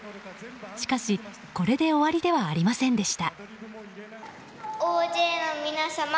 しかし、これで終わりではありませんでした。